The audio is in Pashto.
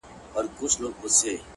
زه يم دا مه وايه چي تا وړي څوك _